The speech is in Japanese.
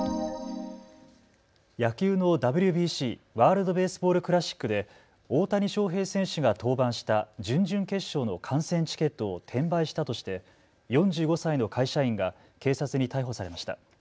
野球のＷＢＣ・ワールド・ベースボール・クラシックで大谷翔平選手が登板した準々決勝の観戦チケットを転売したとして４５歳の会社員が警察に逮捕されました。